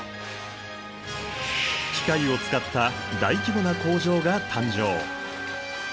機械を使った大規模な工場が誕生。